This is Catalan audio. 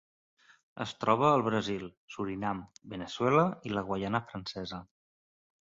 Es troba al Brasil, Surinam, Veneçuela i la Guaiana Francesa.